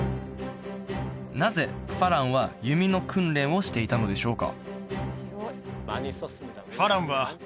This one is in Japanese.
なぜ花郎は弓の訓練をしていたのでしょうか？